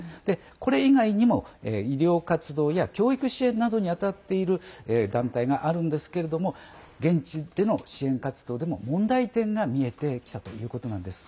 これ以外にも医療活動や教育支援などに当たっている団体があるんですけれども現地での支援活動でも問題点が見えてきたということなんです。